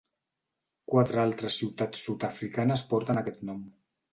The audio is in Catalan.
Quatre altres ciutats sud-africanes porten aquest nom.